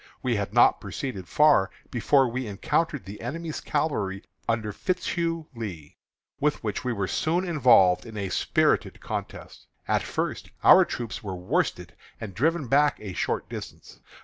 We had not proceeded far before we encountered the enemy's cavalry under Fitzhugh Lee, with which we were soon involved in a spirited contest. At first our troopers were worsted and driven back a short distance.